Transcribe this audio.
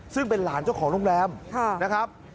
ซึ่งเป็นหลานเจ้าของโรงแรมนะครับ